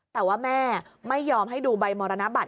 แต่ว่าแม่ไม่ยอมให้ดูใบมรณบัต